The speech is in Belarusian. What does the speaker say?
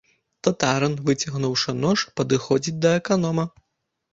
Татарын, выцягнуўшы нож, падыходзіць да аканома.